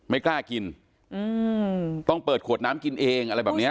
ไม่กล้ากินอืมต้องเปิดขวดน้ำกินเองอะไรแบบเนี้ย